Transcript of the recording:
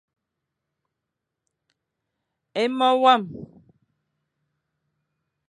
É mo wam.